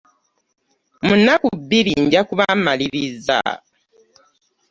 Mu nnaku bbiri nja kuba mmalirizza.